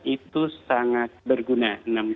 itu sangat berguna enam puluh lima tiga